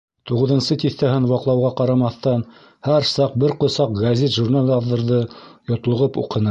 Туғыҙынсы тиҫтәһен ваҡлауға ҡарамаҫтан, һәр саҡ бер ҡосаҡ гәзит-журнал яҙҙырҙы, йотлоғоп уҡыны.